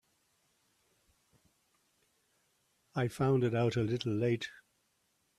I found it out a little late.